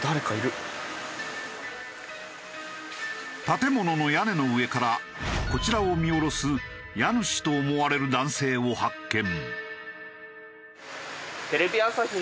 建物の屋根の上からこちらを見下ろす家主と思われる男性を発見。